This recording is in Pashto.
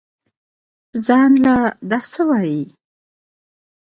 زان له دا سه وايې.